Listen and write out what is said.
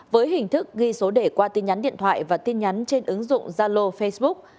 với hình thức ghi số đề qua tin nhắn điện thoại và tin nhắn trên ứng dụng zalo facebook